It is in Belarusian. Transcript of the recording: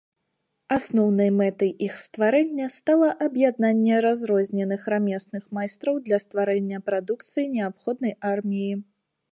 Асноўнай мэтай іх стварэння стала аб'яднанне разрозненых рамесных майстраў для стварэння прадукцыі, неабходнай арміі.